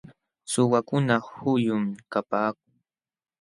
Suwakuna huyum kapaakun.